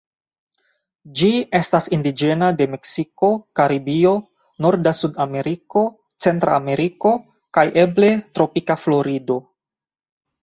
Ĝi estas indiĝena de Meksiko, Karibio, norda Sudameriko, Centrameriko kaj eble tropika Florido.